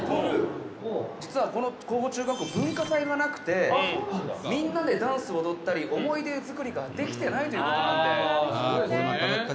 「実はこの庚午中学校文化祭がなくてみんなでダンスを踊ったり思い出作りができてないという事なんで」